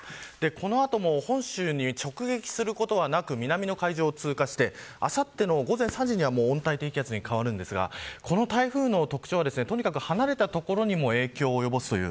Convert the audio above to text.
この後も本州に直撃することはなく南の海上を通過してあさっての午前３時には温帯低気圧に変わるんですがこの台風の特徴はとにかく離れた所にも影響を及ぼすという。